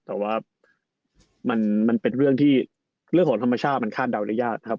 แต่ว่ามันเป็นเรื่องที่เรื่องของธรรมชาติมันคาดเดาได้ยากครับ